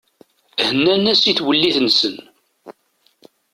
Hennan-as i twellit-nsen.